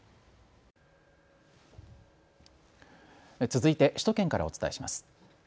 続いて首都圏からお伝えします。